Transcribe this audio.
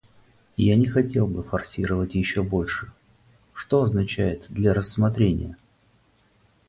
Я не хотел бы форсировать еще больше: что означает "для рассмотрения"?